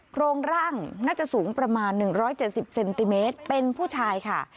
โครงร่างน่าจะสูงประมาณ๑๗๐เซนติเมตรเป็นผู้ชายค่ะ